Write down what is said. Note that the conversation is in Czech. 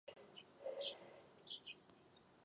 První závod absolvoval v šestnácti letech ve Znojmě.